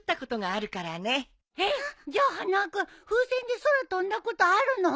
えっじゃあ花輪君風船で空飛んだことあるの？